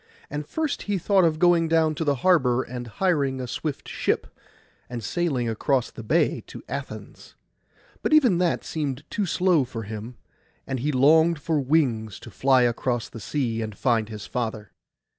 And first he thought of going down to the harbour and hiring a swift ship, and sailing across the bay to Athens; but even that seemed too slow for him, and he longed for wings to fly across the sea, and find his father.